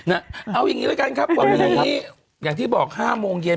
เอาอย่างนี้ละกันครับวันพรุ่งนี้อย่างที่บอก๕โมงเย็น